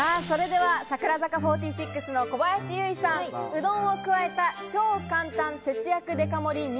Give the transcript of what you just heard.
それでは櫻坂４６の小林由依さん、うどんを加えた超簡単節約デカ盛り